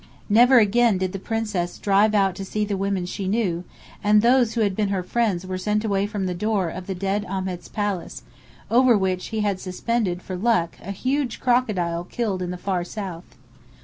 Never again did the Princess drive out to see the women she knew; and those who had been her friends were sent away from the door of the dead Ahmed's palace, over which he had suspended for "luck," a huge crocodile killed in the far south.